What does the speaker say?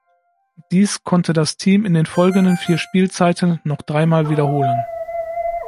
Dies konnte das Team in den folgenden vier Spielzeiten noch drei Mal wiederholen.